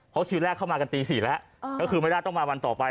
พอคิวแรกเข้ามากันตี๔แล้วเพราะคือไม่ได้ต้องมาบ้านต่อไป